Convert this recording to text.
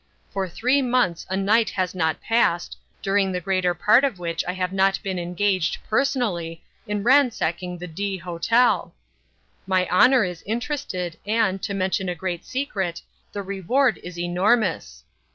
For three months a night has not passed, during the greater part of which I have not been engaged, personally, in ransacking the D—— Hotel. My honor is interested, and, to mention a great secret, the reward is enormous.